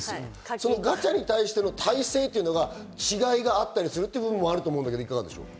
そのガチャに対する耐性というのが違いがあったりするっていう部分もあると思うけど、いかがでしょう？